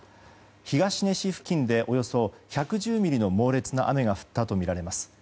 東根市付近でおよそ１１０ミリの猛烈な雨が降ったとみられます。